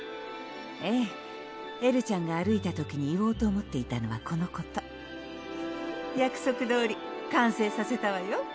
ええエルちゃんが歩いた時に言おうと思っていたのはこのこと約束どおり完成させたわよ